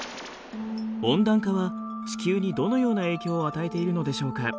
温暖化は地球にどのような影響を与えているのでしょうか。